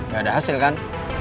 gak ada hasil kan